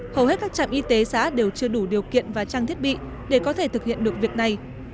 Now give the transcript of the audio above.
hầu hết các trạm y tế xã đều chưa đủ điều kiện và trang thiết bị để có thể thực hiện được việc này